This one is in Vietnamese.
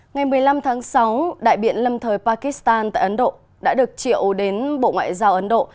ngày một mươi năm tháng sáu đại biện lâm thời pakistan tại ấn độ đã được triệu đến bộ ngoại giao ấn độ